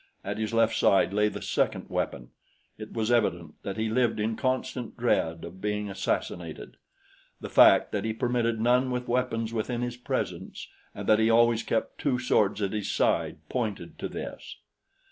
At his left side lay the second weapon. It was evident that he lived in constant dread of being assassinated. The fact that he permitted none with weapons within his presence and that he always kept two swords at his side pointed to this.